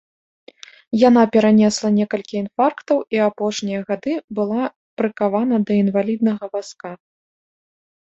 Яна перанесла некалькі інфарктаў і апошнія гады была прыкавана да інваліднага вазка.